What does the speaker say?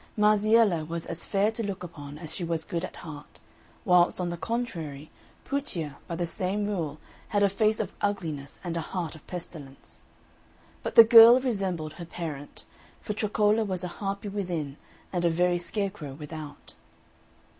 Marziella was as fair to look upon as she was good at heart; whilst, on the contrary, Puccia by the same rule had a face of ugliness and a heart of pestilence, but the girl resembled her parent, for Troccola was a harpy within and a very scare crow without.